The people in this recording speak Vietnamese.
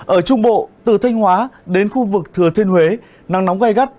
ở trung bộ từ thanh hóa đến khu vực thừa thiên huế nắng nóng gai gắt